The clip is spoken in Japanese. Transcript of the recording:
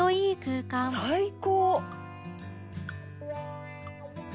「最高！」